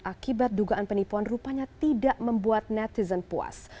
akibat dugaan penipuan rupanya tidak membuat netizen puas